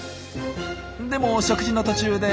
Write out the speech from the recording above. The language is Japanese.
でも食事の途中で。